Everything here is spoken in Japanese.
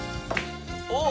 おっ！